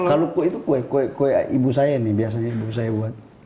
kalau kue itu kue kue kue ibu saya nih biasanya ibu saya buat